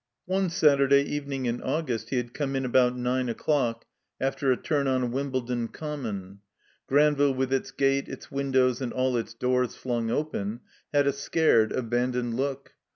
One Satiu'day evening in August he had come in about nine o'clock after a turn on Wimbledon Com mon. Granville with its gate, its windows, and all its doors flung open, had a scared, abandoned look.